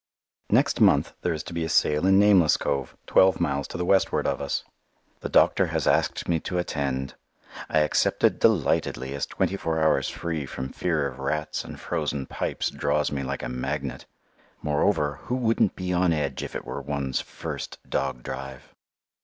Next month there is to be a sale in Nameless Cove, twelve miles to the westward of us. The doctor has asked me to attend. I accepted delightedly, as twenty four hours free from fear of rats and frozen pipes draws me like a magnet. Moreover, who wouldn't be on edge if it were one's first dog drive!